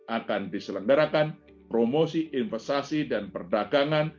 akan diselenggarakan promosi investasi dan perdagangan